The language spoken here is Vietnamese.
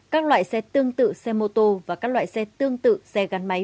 các loại xe tương tự xe mô tô và các loại xe tương tự xe gắn máy